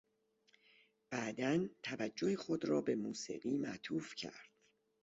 بعدا توجه خود را به موسیقی معطوف کرد.